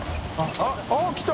あっ来た！